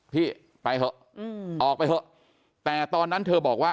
พี่ไปเถอะออกไปเถอะแต่ตอนนั้นเธอบอกว่า